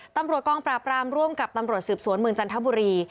ตำรวจกองปราบรามร่วมกับตำรวจสืบสวนเมืองจันทบุรี